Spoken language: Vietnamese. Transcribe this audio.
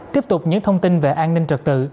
tiếp tục những thông tin về an ninh trật tự